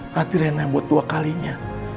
hati rena yang buat dua kalinya